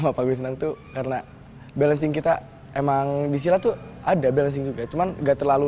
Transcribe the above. apa gue senang tuh karena balancing kita emang di silat tuh ada balancing juga cuman gak terlalu